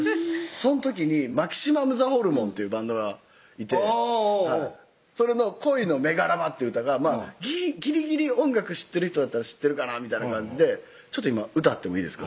その時にマキシマムザホルモンというバンドがいてあぁそれの恋のメガラバという歌がギリギリ音楽知ってる人だったら知ってるかなみたいな感じでちょっと今歌ってもいいですか？